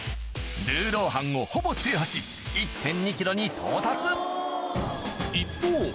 ルーロー飯をほぼ制覇しに到達一方